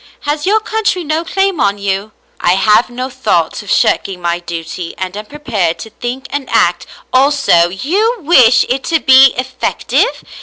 Has your country no claim on you ?" "I have no thought of shirking my duty, and am prepared to think and act also —" "You wish it to be effective